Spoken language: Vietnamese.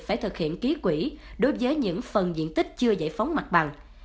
phải thực hiện ký quỹ đối với những phần diện tích chưa giải phóng mặt bằng